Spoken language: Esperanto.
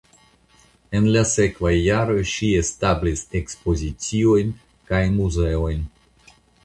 En la sekvaj jaroj ŝi establis ekspoziciojn kaj muzeojn.